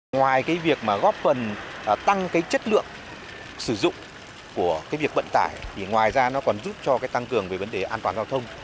ngoài việc góp phần tăng chất lượng sử dụng của việc bận tải ngoài ra nó còn giúp cho tăng cường về vấn đề an toàn giao thông